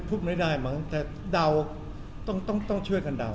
พูดไม่ได้มั้งแต่เดาต้องช่วยกันเดา